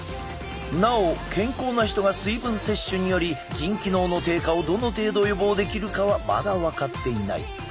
なお健康な人が水分摂取により腎機能の低下をどの程度予防できるかはまだ分かっていない。